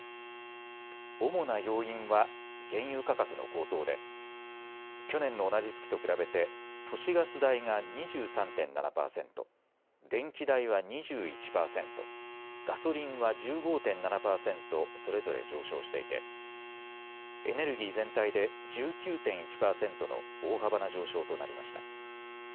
主な要因は原油価格の高騰で去年の同じ月と比べて都市ガス代が２３．７％、電気代は２１％、ガソリンは１５．７％それぞれ上昇していてエネルギー全体で１９．１％の大幅な上昇となりました。